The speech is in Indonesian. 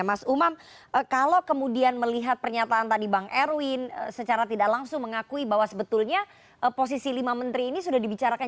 mas umam kalau kemudian melihat pernyataan tadi bang erwin secara tidak langsung mengakui bahwa sebetulnya posisi lima menteri ini sudah dibicarakan